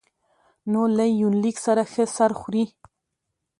نو له يونليک سره ښه سر خوري